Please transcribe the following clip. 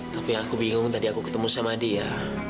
tapi aku bingung tadi aku ketemu sama dia